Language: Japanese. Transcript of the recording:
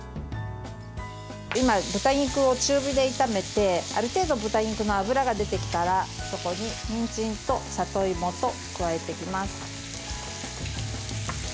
今、豚肉を中火で炒めてある程度、豚肉の脂が出てきたらそこに、にんじんと里芋と加えていきます。